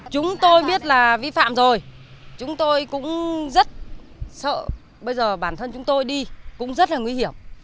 chúng tôi biết là vi phạm rồi chúng tôi cũng rất sợ bây giờ bản thân chúng tôi đi cũng rất là nguy hiểm